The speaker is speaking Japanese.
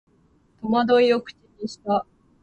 戸惑いを口にした